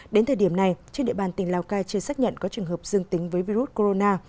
đến thời điểm này trên địa bàn tỉnh lào cai chưa xác nhận có trường hợp dương tính với virus corona